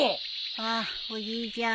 あっおじいちゃん。